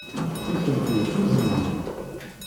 Nitenti d tuzzigin.